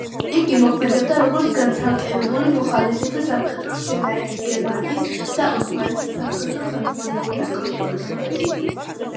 იგი მოქმედებდა როგორც განცალკევებული მოხალისეთა სამხედრო შენაერთი გერმანიის და ოსმალეთის სამხედრო ხელმძღვანელობის კონტროლის ქვეშ.